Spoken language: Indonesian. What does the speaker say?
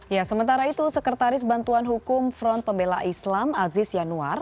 ya sementara itu sekretaris bantuan hukum front pembela islam aziz yanuar